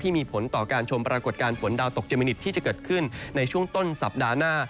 มีผลต่อการชมปรากฏการณ์ฝนดาวตกเมนิตที่จะเกิดขึ้นในช่วงต้นสัปดาห์หน้า